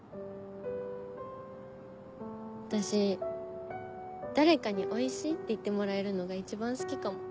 私誰かに「おいしい」って言ってもらえるのが一番好きかも。